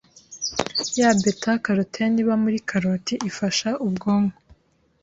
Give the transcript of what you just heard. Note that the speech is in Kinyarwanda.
Ya beta-carotene iba muri karoti ifasha ubwonko